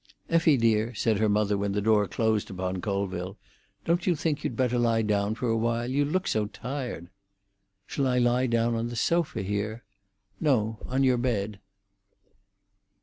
"Effie dear," said her mother, when the door closed upon Colville, "don't you think you'd better lie down a while? You look so tired." "Shall I lie down on the sofa here?" "No, on your bed."